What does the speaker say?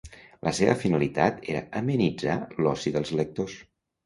La seva finalitat era amenitzar l'oci dels lectors.